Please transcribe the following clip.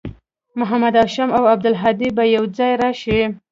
محمد هاشم او عبدالهادي به یوځای راشي